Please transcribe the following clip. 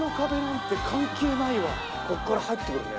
ここから入ってくるね。